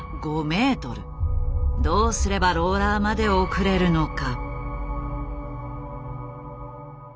どうすればローラーまで送れるのか。